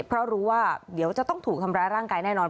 เพราะรู้ว่าเดี๋ยวจะต้องถูกทำร้ายร่างกายแน่นอน